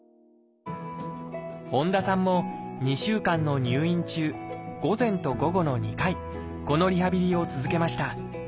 本多さんも２週間の入院中午前と午後の２回このリハビリを続けました。